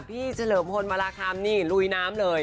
พี่เฉลิมฐมฮมาราคามนี่รุ่นน้ำเลย